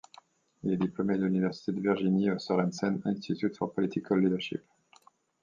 Il est diplômé de l'université de Virginie, au Sorensen Institute for Political Leadership.